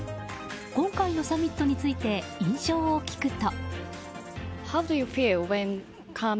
今回のサミットについて印象を聞くと。